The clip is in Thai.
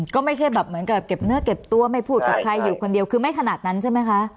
ก็ไม่ใช่แบบเหมือนกับเก็บเนื้อเก็บตัวไม่พูดกับใครอยู่คนเดียวคือไม่ขนาดนั้นใช่ไหมคะ